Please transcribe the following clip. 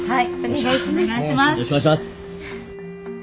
お願いします。